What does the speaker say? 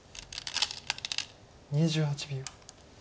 ２８秒。